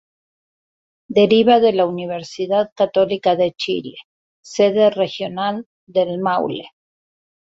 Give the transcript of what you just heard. Deriva de la Universidad Católica de Chile, Sede Regional del Maule.